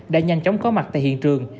đã nhanh chóng có mặt tại hiện trường